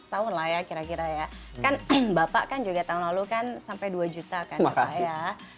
tahun lah ya kira kira ya kan bapak kan juga tahun lalu kan sampai dua juta kan ya pak ya